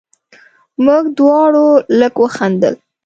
موږ دواړو لږ وخندل.